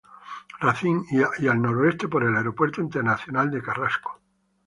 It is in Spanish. Racine y al noroeste por el Aeropuerto Internacional de Carrasco.